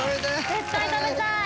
絶対食べたい！